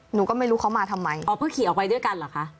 หนูก็ไม่รู้เขามาทำไมอ๋อเพื่อขี่ออกไปด้วยกันเหรอคะ